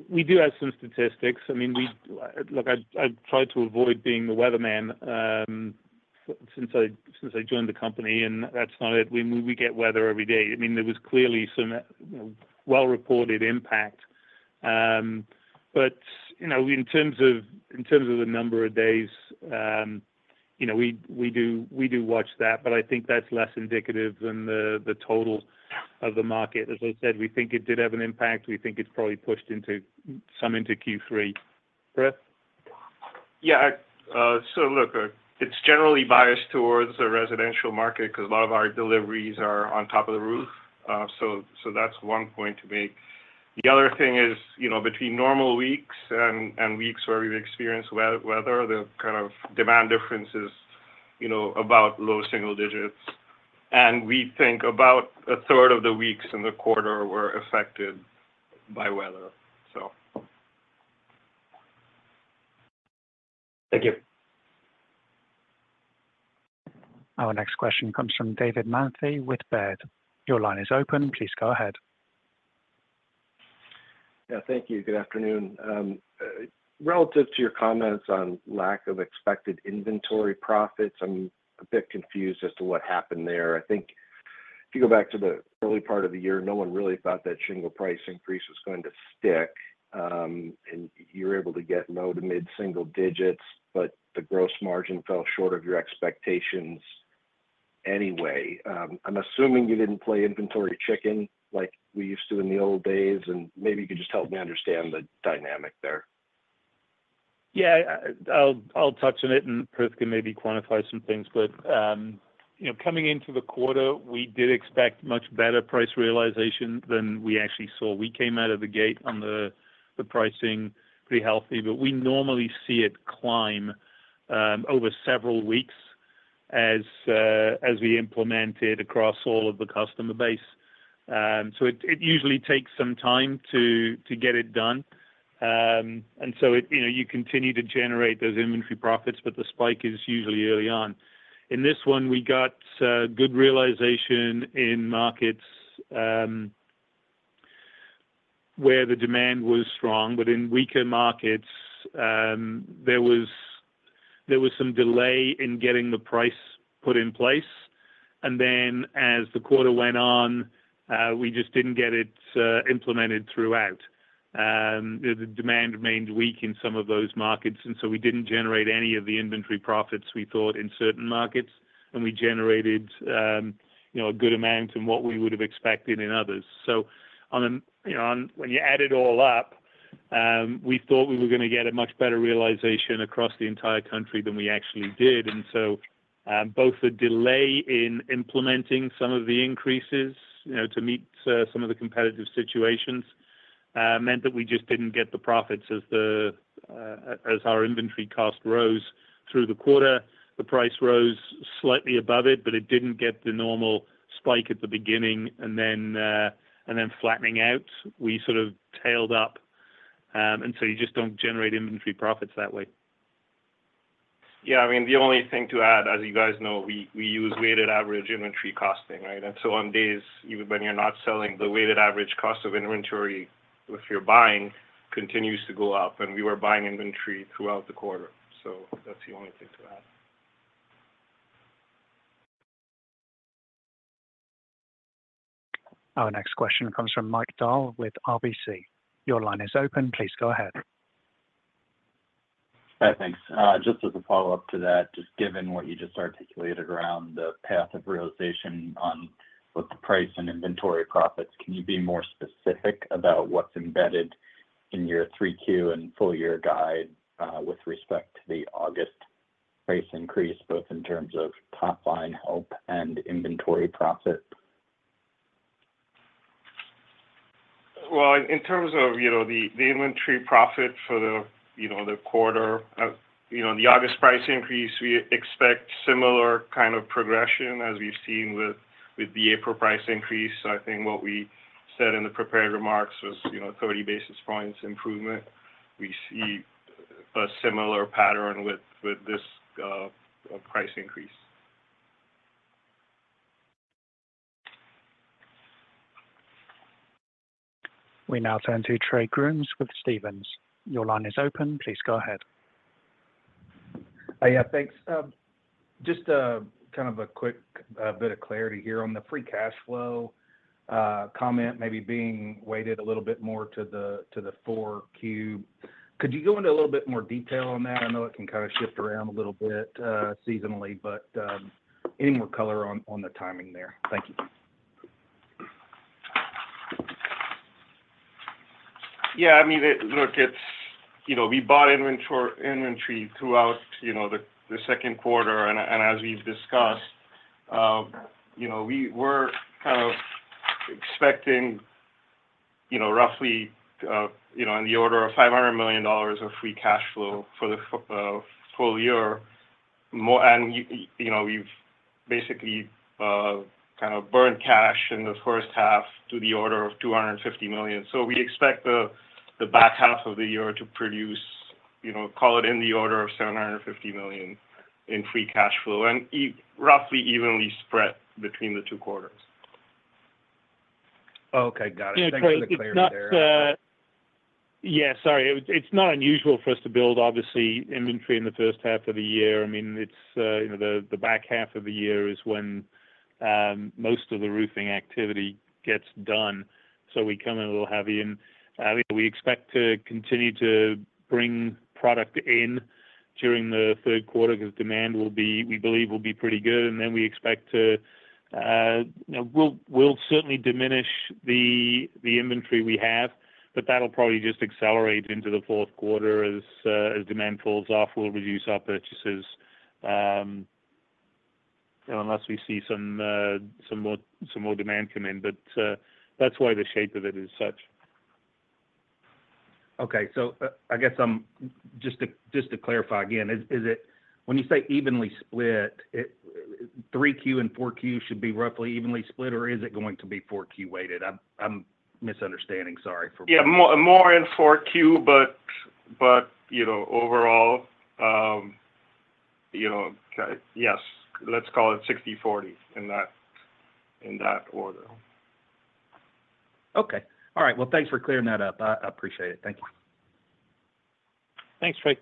[SPEAKER 3] we do have some statistics. I mean, we – look, I've tried to avoid being the weatherman since I joined the company, and that's not it. We get weather every day. I mean, there was clearly some well-reported impact, but you know, in terms of the number of days, you know, we do watch that, but I think that's less indicative than the total of the market. As I said, we think it did have an impact. We think it's probably pushed some into Q3. Prith?
[SPEAKER 4] So look, it's generally biased towards the residential market because a lot of our deliveries are on top of the roof. So that's one point to make. The other thing is, you know, between normal weeks and weeks where we've experienced weather, the demand difference is, you know, about low single digits. And we think about a third of the weeks in the quarter were affected by weather, so.
[SPEAKER 7] Thank you.
[SPEAKER 1] Our next question comes from David Manthey with Baird. Your line is open. Please go ahead.
[SPEAKER 8] Thank you. Good afternoon. Relative to your comments on lack of expected inventory profits, I'm a bit confused as to what happened there. I think if you go back to the early part of the year, no one really thought that shingle price increase was going to stick, and you're able to get low to mid single digits, but the gross margin fell short of your expectations anyway. I'm assuming you didn't play inventory chicken like we used to in the old days, and maybe you could just help me understand the dynamic there.
[SPEAKER 3] I'll touch on it, and Prith can maybe quantify some things. But, you know, coming into the quarter, we did expect much better price realization than we actually saw. We came out of the gate on the pricing pretty healthy, but we normally see it climb over several weeks as we implement it across all of the customer base. So it usually takes some time to get it done. And so it continue to generate those inventory profits, but the spike is usually early on. In this one, we got good realization in markets where the demand was strong, but in weaker markets, there was some delay in getting the price put in place. And then as the quarter went on, we just didn't get it implemented throughout. The demand remained weak in some of those markets, and so we didn't generate any of the inventory profits we thought in certain markets, and we generated, you know, a good amount in what we would have expected in others. So, you know, when you add it all up, we thought we were gonna get a much better realization across the entire country than we actually did. And so, both the delay in implementing some of the increases, you know, to meet some of the competitive situations, meant that we just didn't get the profits as our inventory cost rose through the quarter. The price rose slightly above it, but it didn't get the normal spike at the beginning and then flattening out. We tailed up, and so you just don't generate inventory profits that way.
[SPEAKER 4] The only thing to add, as you guys know, we use weighted average inventory costing, right? And so on days, even when you're not selling, the weighted average cost of inventory, if you're buying, continues to go up, and we were buying inventory throughout the quarter. So that's the only thing to add.
[SPEAKER 1] Our next question comes from Mike Dahl with RBC. Your line is open. Please go ahead.
[SPEAKER 8] Thanks. Just as a follow-up to that, just given what you just articulated around the path of realization on both the price and inventory profits, can you be more specific about what's embedded in your 3Q and full year guide, with respect to the August price increase, both in terms of top line help and inventory profit?
[SPEAKER 4] Well, in terms of, you know, the inventory profit for the, you know, the quarter, you know, the August price increase, we expect similar progression as we've seen with the April price increase. I think what we said in the prepared remarks was, you know, 30 basis points improvement. We see a similar pattern with this price increase.
[SPEAKER 1] We now turn to Trey Grooms with Stephens. Your line is open. Please go ahead.
[SPEAKER 9] Thanks. Just a quick bit of clarity here on the free cash flow comment, maybe being weighted a little bit more to the Q4. Could you go into a little bit more detail on that? I know it can kinda shift around a little bit seasonally, but any more color on the timing there? Thank you.
[SPEAKER 4] It look, it's we bought inventory, inventory throughout, you know, the, the Q2. And, and as we've discussed we were expecting, you know, roughly, you know, in the order of $500 million of free cash flow for the full year more. And you know, we've basically burned cash in the H1 to the order of $250 million. So we expect the, the back half of the year to produce, you know, call it in the order of $750 million in free cash flow, and roughly evenly spread between the two quarters.
[SPEAKER 9] Okay, got it. Thanks for the clarity there.
[SPEAKER 3] Trey, it's not unusual for us to build, obviously, inventory in the H1 of the year. I mean, it's, you know, the back half of the year is when most of the roofing activity gets done, so we come in a little heavy. And we expect to continue to bring product in during the Q3 because demand will be, we believe will be pretty good, and then we expect to. We'll certainly diminish the inventory we have, but that'll probably just accelerate into the Q4. As demand falls off, we'll reduce our purchases, unless we see some more demand come in. But that's why the shape of it is such.
[SPEAKER 9] I'm just to, just to clarify again, is it when you say evenly split, it, 3Q and 4Q should be roughly evenly split, or is it going to be 4Q-weighted? I'm misunderstanding. Sorry for-
[SPEAKER 4] More in 4Q, but, but, you know, overall, you know, yes, let's call it 60/40 in that, in that order.
[SPEAKER 9] Okay. Thanks for clearing that up. I appreciate it. Thank you.
[SPEAKER 3] Thanks, Trey.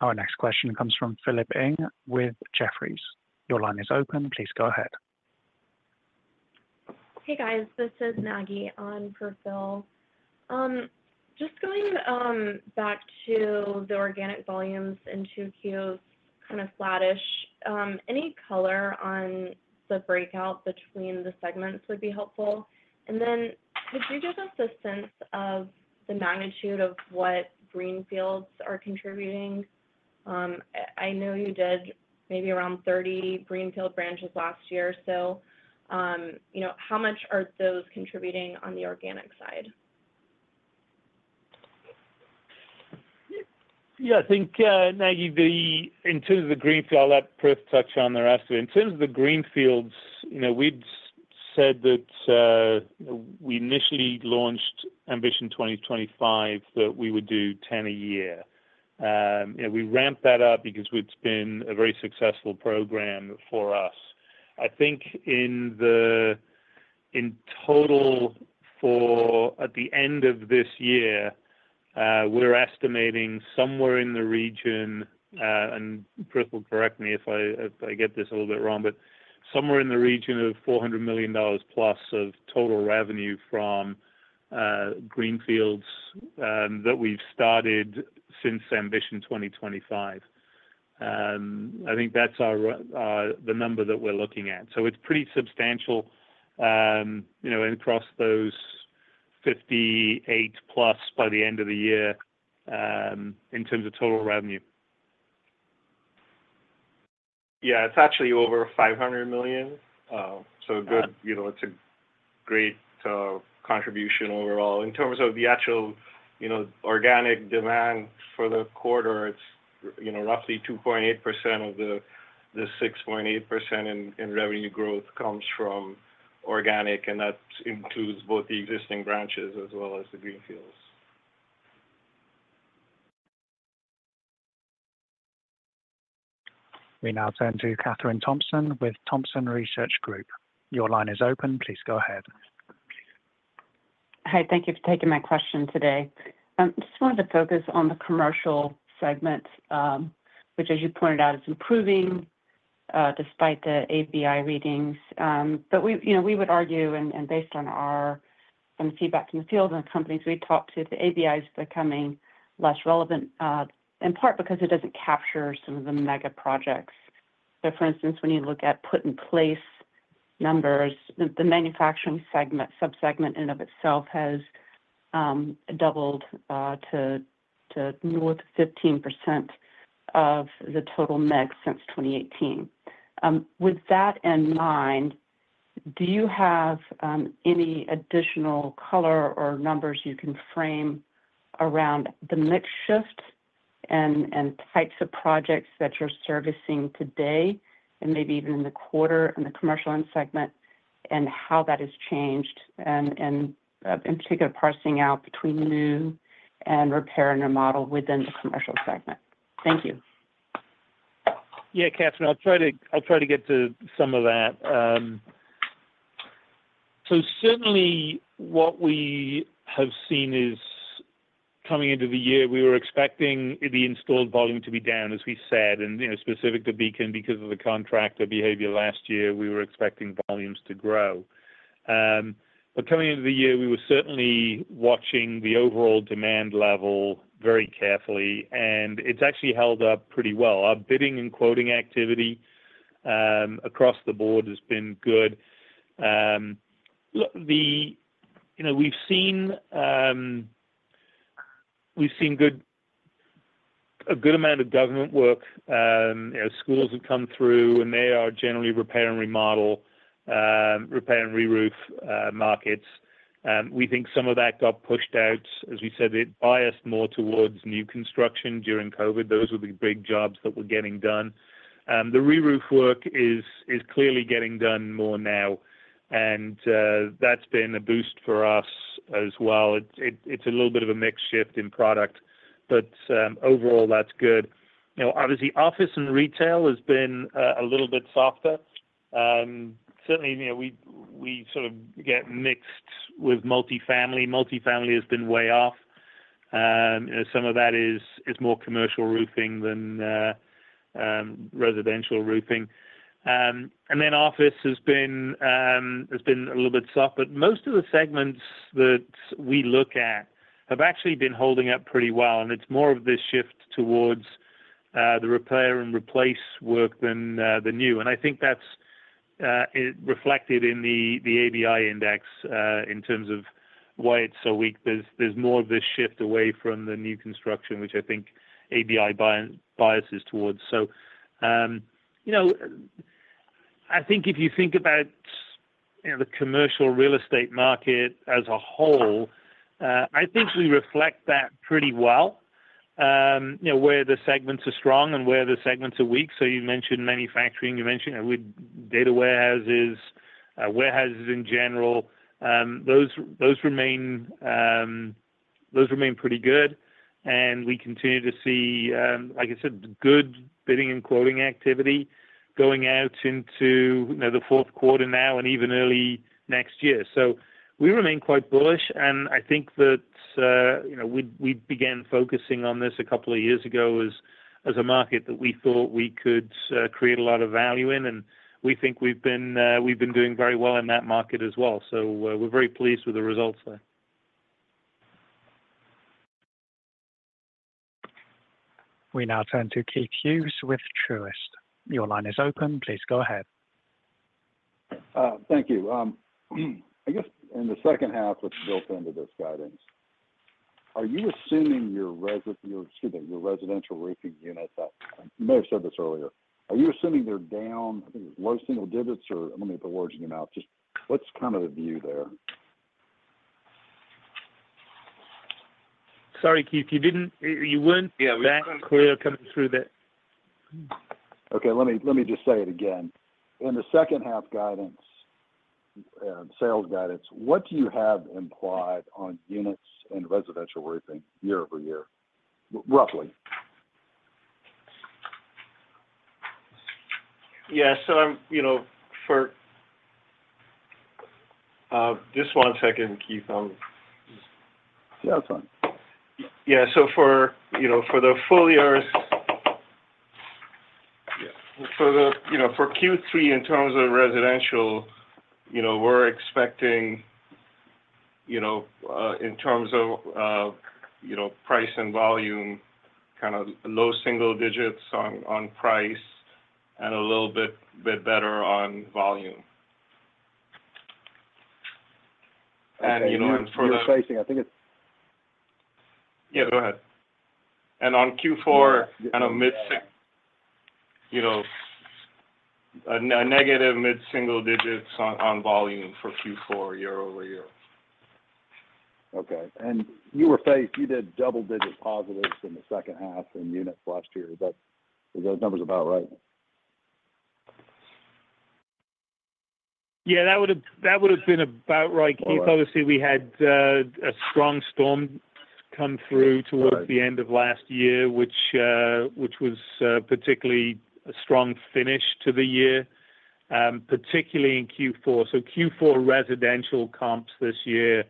[SPEAKER 1] Our next question comes from Philip Ng with Jefferies. Your line is open. Please go ahead.
[SPEAKER 10] Hey, guys, this is Maggie on for Phil. Just going back to the organic volumes in 2Q, flattish, any color on the breakout between the segments would be helpful. And then, could you give us a sense of the magnitude of what Greenfields are contributing? I know you did maybe around 30 Greenfield branches last year. So, you know, how much are those contributing on the organic side?
[SPEAKER 3] Maggie, the in terms of the greenfield, I'll let Prith touch on the rest of it. In terms of the greenfields, you know, we'd said that we initially launched Ambition 2025, that we would do 10 a year. And we ramped that up because it's been a very successful program for us. I think in the in total, for at the end of this year, we're estimating somewhere in the region, and Prith will correct me if I, if I get this a little bit wrong, but somewhere in the region of $400 million plus of total revenue from greenfields that we've started since Ambition 2025. I think that's our the number that we're looking at. So it's pretty substantial, you know, across those 58+ by the end of the year, in terms of total revenue.
[SPEAKER 4] It's actually over $500 million. So good, it's a great contribution overall. In terms of the actual, you know, organic demand for the quarter, it's, you know, roughly 2.8% of the 6.8% in revenue growth comes from organic, and that includes both the existing branches as well as the greenfields.
[SPEAKER 1] We now turn to Kathryn Thompson with Thompson Research Group. Your line is open. Please go ahead.
[SPEAKER 11] Hi, thank you for taking my question today. Just wanted to focus on the commercial segment, which, as you pointed out, is improving, despite the ABI readings. But we, you know, we would argue, and based on our some feedback from the field and the companies we talked to, the ABI is becoming less relevant, in part because it doesn't capture some of the mega projects. So for instance, when you look at put-in-place numbers, the manufacturing segment, sub-segment in and of itself has doubled to north of 15% of the total mix since 2018. With that in mind, do you have any additional color or numbers you can frame around the mix shift and types of projects that you're servicing today, and maybe even in the quarter, in the commercial end segment, and how that has changed? And in particular, parsing out between new and repair in the model within the commercial segment. Thank you.
[SPEAKER 3] Kathryn, I'll try to get to some of that. So certainly what we have seen is, coming into the year, we were expecting the installed volume to be down, as we said, and, you know, specific to Beacon, because of the contractor behavior last year, we were expecting volumes to grow. But coming into the year, we were certainly watching the overall demand level very carefully, and it's actually held up pretty well. Our bidding and quoting activity across the board has been good. Look, You know, we've seen a good amount of government work. You know, schools have come through, and they are generally repair and remodel, repair and reroof markets. We think some of that got pushed out. As we said, it biased more towards new construction during COVID. Those were the big jobs that were getting done. The reroof work is clearly getting done more now, and that's been a boost for us as well. It's a little bit of a mix shift in product, but overall, that's good. You know, obviously, office and retail has been a little bit softer. Certainly, you know, we get mixed with multifamily. Multifamily has been way off. Some of that is more commercial roofing than residential roofing. And then office has been a little bit soft, but most of the segments that we look at have actually been holding up pretty well, and it's more of this shift towards the repair and replace work than the new. I think that's it reflected in the ABI index in terms of why it's so weak. There's more of this shift away from the new construction, which I think ABI biases towards. So, you know, I think if you think about the commercial real estate market as a whole, I think we reflect that pretty well. You know, where the segments are strong and where the segments are weak. So you mentioned manufacturing, you mentioned with data warehouses, warehouses in general. Those remain pretty good, and we continue to see, like I said, good bidding and quoting activity going out into the Q4 now and even early next year. So we remain quite bullish, and I think that, you know, we began focusing on this a couple of years ago as a market that we thought we could create a lot of value in, and we think we've been doing very well in that market as well. So, we're very pleased with the results there.
[SPEAKER 1] We now turn to Keith Hughes with Truist. Your line is open. Please go ahead.
[SPEAKER 12] Thank you. I guess in the H2, which built into this guidance, are you assuming your residential roofing units? Excuse me. You may have said this earlier. Are you assuming they're down, I think, low single digits, or let me get the words coming out. Just what's the view there?
[SPEAKER 3] Sorry, Keith, you weren't that clear coming through the
[SPEAKER 12] Okay, let me, let me just say it again. In the second-half guidance, sales guidance, what do you have implied on units and residential roofing year-over-year, roughly?
[SPEAKER 4] So, you know, just one second, Keith,
[SPEAKER 12] That's fine.
[SPEAKER 4] So for the full year for Q3, in terms of residential, you know, we're expecting, you know, in terms of, you know, price and volume, low single digits on price and a little bit better on volume. And, you know, and for the-
[SPEAKER 12] You're pricing, I think it's
[SPEAKER 4] Go ahead. And on Q4 mid, you know, a negative mid single digits on volume for Q4 year-over-year.
[SPEAKER 12] Okay, and you forecast, you did double-digit positives in the H2 in units last year. Is that, are those numbers about right?
[SPEAKER 3] That would have been about right, Keith. Obviously, we had a strong storm come through towards the end of last year, which was particularly a strong finish to the year, particularly in Q4. So Q4 residential comps this year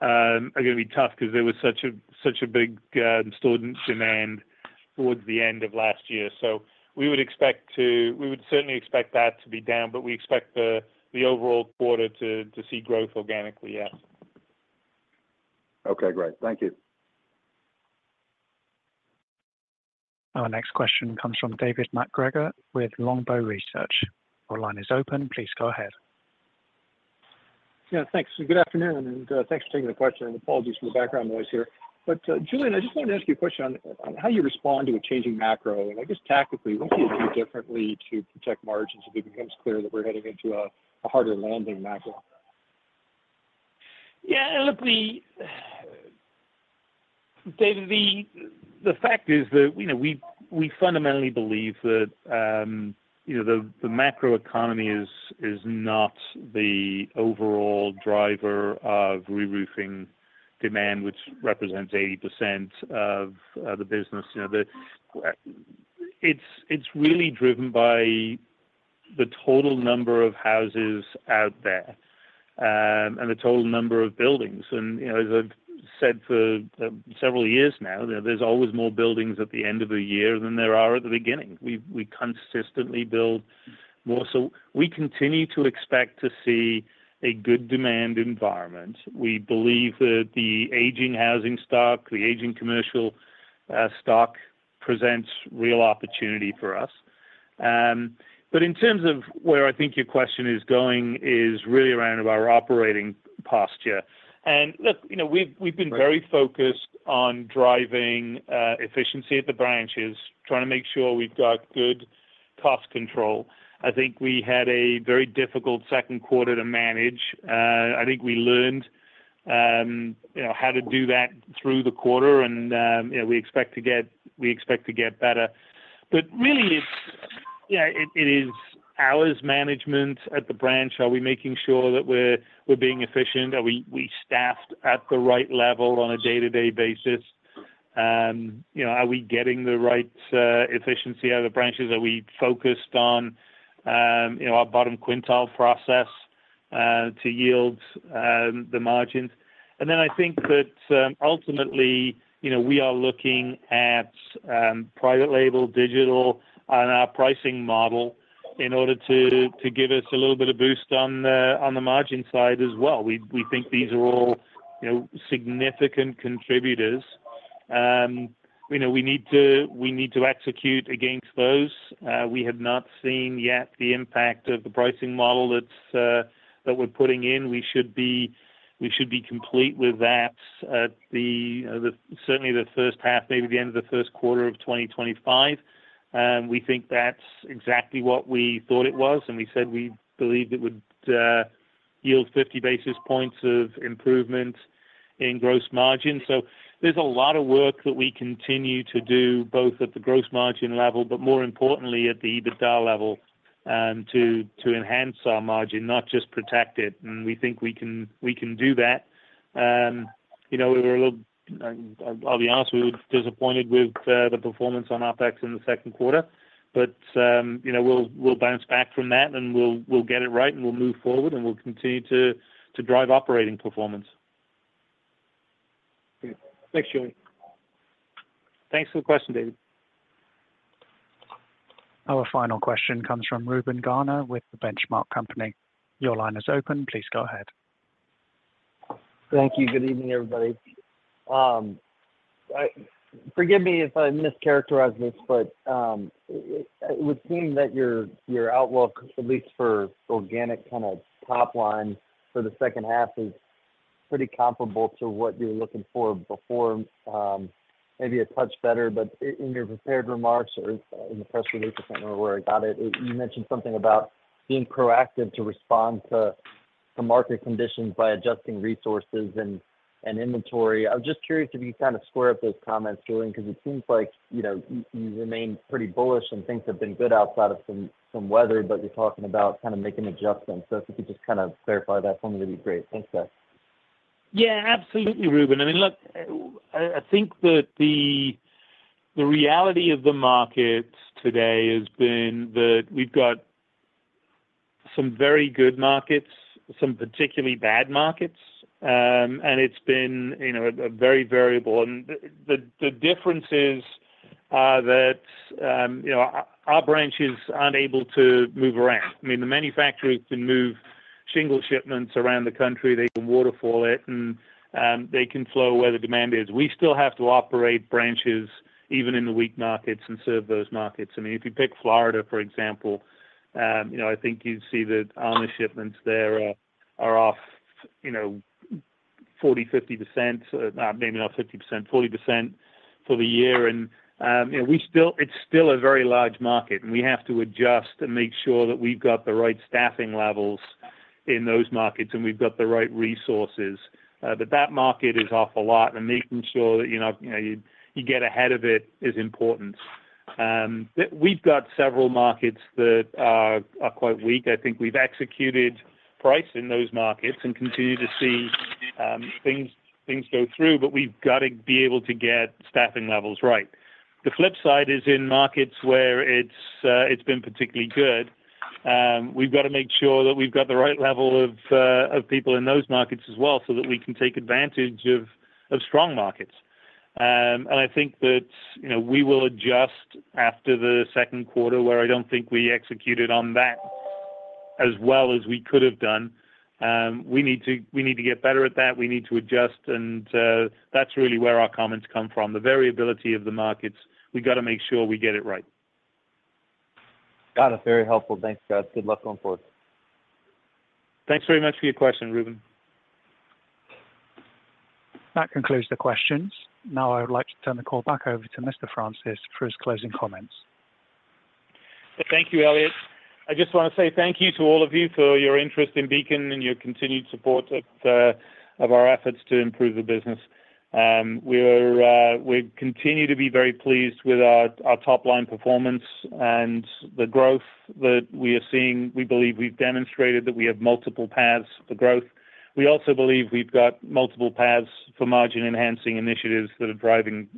[SPEAKER 3] are gonna be tough because there was such a, such a big stored demand towards the end of last year. So we would certainly expect that to be down, but we expect the overall quarter to see growth organically.
[SPEAKER 12] Okay, great. Thank you.
[SPEAKER 1] Our next question comes from David MacGregor with Longbow Research. Your line is open. Please go ahead.
[SPEAKER 13] Thanks. Good afternoon, and, thanks for taking the question. Apologies for the background noise here. But, Julian, I just wanted to ask you a question on how you respond to a changing macro, and I guess tactically, what do you do differently to protect margins if it becomes clear that we're heading into a harder landing macro?
[SPEAKER 3] Look, David, the fact is that, you know, we fundamentally believe that, you know, the macroeconomy is not the overall driver of reroofing demand, which represents 80% of the business. You know, it's really driven by the total number of houses out there, and the total number of buildings. And, you know, as I've said for several years now, there's always more buildings at the end of the year than there are at the beginning. We consistently build more. So we continue to expect to see a good demand environment. We believe that the aging housing stock, the aging commercial. Our stock presents real opportunity for us. But in terms of where I think your question is going, is really around our operating posture. Look, you know, we've been very focused on driving efficiency at the branches, trying to make sure we've got good cost control. I think we had a very difficult Q2 to manage. I think we learned, you know, how to do that through the quarter, and, you know, we expect to get better. But really, it is hours management at the branch. Are we making sure that we're being efficient? Are we staffed at the right level on a day-to-day basis? You know, are we getting the right efficiency out of the branches? Are we focused on, you know, our bottom quintile process to yield the margins? And then I think that, ultimately, you know, we are looking at, Private Label, digital, and our pricing model in order to, to give us a little bit of boost on the, on the margin side as well. We, we think these are all, you know, significant contributors. You know, we need to, we need to execute against those. We have not seen yet the impact of the pricing model that's, that we're putting in. We should be, we should be complete with that at the, the certainly the H1, maybe the end of the Q1 of 2025. We think that's exactly what we thought it was, and we said we believed it would, yield 50 basis points of improvement in Gross Margin. So there's a lot of work that we continue to do, both at the gross margin level, but more importantly, at the EBITDA level, to enhance our margin, not just protect it, and we think we can do that. We were a little, I'll be honest, we were disappointed with the performance on OpEx in the Q2, but you know, we'll bounce back from that, and we'll get it right, and we'll move forward, and we'll continue to drive operating performance.
[SPEAKER 14] Great. Thanks, Julian.
[SPEAKER 3] Thanks for the question, David.
[SPEAKER 1] Our final question comes from Reuben Garner with The Benchmark Company. Your line is open. Please go ahead.
[SPEAKER 13] Thank you. Good evening, everybody. I forgive me if I mischaracterize this, but it would seem that your outlook, at least for organic top line for the H2, is pretty comparable to what you're looking for before, maybe a touch better. But in your prepared remarks, or in the press release, I can't remember where I got it, you mentioned something about being proactive to respond to market conditions by adjusting resources and inventory. I was just curious if you square up those comments, Julian, because it seems like, you know, you remain pretty bullish and things have been good outside of some weather, but you're talking about making adjustments. So if you could just clarify that for me, that'd be great. Thanks, guys.
[SPEAKER 3] Absolutely, Reuben. I mean, look, I think that the reality of the market today has been that we've got some very good markets, some particularly bad markets, and it's been, you know, very variable. And the difference is, that, you know, our branches aren't able to move around. I mean, the manufacturers can move shingle shipments around the country, they can waterfall it, and, they can flow where the demand is. We still have to operate branches, even in the weak markets, and serve those markets. I mean, if you pick Florida, for example, you know, I think you'd see that Owens shipments there, are off, you know, 40%-50%. Maybe not 50%, 40% for the year, and, you know, it's still a very large market, and we have to adjust and make sure that we've got the right staffing levels in those markets, and we've got the right resources. But that market is off a lot, and making sure that, you know, you get ahead of it is important. We've got several markets that are quite weak. I think we've executed price in those markets and continue to see things go through, but we've got to be able to get staffing levels right. The flip side is in markets where it's, it's been particularly good, we've got to make sure that we've got the right level of, of people in those markets as well, so that we can take advantage of, of strong markets. And I think that, you know, we will adjust after the Q2, where I don't think we executed on that as well as we could have done. We need to, we need to get better at that. We need to adjust, and, that's really where our comments come from. The variability of the markets, we've got to make sure we get it right.
[SPEAKER 13] Got it. Very helpful. Thanks, guys. Good luck going forward.
[SPEAKER 3] Thanks very much for your question, Reuben.
[SPEAKER 1] That concludes the questions. Now, I would like to turn the call back over to Mr. Francis for his closing comments.
[SPEAKER 3] Thank you, Elliot. I just want to say thank you to all of you for your interest in Beacon and your continued support of our efforts to improve the business. We continue to be very pleased with our top-line performance and the growth that we are seeing. We believe we've demonstrated that we have multiple paths to growth. We also believe we've got multiple paths for margin-enhancing initiatives that are driving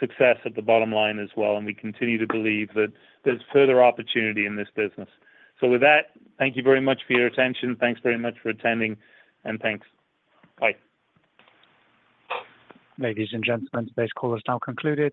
[SPEAKER 3] success at the bottom line as well, and we continue to believe that there's further opportunity in this business. So with that, thank you very much for your attention. Thanks very much for attending, and thanks. Bye.
[SPEAKER 1] Ladies and gentlemen, today's call is now concluded.